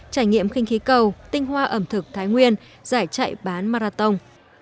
trải nghiệm khinh khí cầu tinh hoa ẩm thực thái nguyên giải chạy bán marathon